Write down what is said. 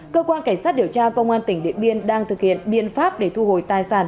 cơ quan cảnh sát điều tra công an tỉnh điện biên đang thực hiện biên pháp để thu hồi tài sản bị chiếm đoạt